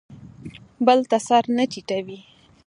بل ته سر نه ټیټوي.